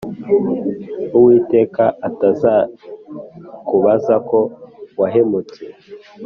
uwiteka atazabikubaza ko wahemutse